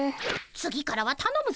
次からはたのむぞ！